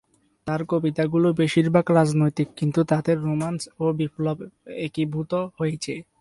তাঁর কবিতাগুলি বেশিরভাগ রাজনৈতিক কিন্তু তাতে রোম্যান্স ও বিপ্লব একীভূত হয়েছে।